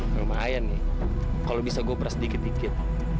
lumayan nih kalau bisa gue beres dikit dikit